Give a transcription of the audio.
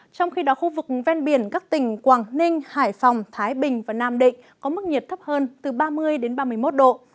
trong khi đó khu vực ven biển các tỉnh quảng ninh hải phòng thái bình và nam định có mức nhiệt thấp hơn từ ba mươi đến ba mươi một độ